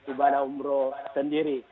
ibadah umroh sendiri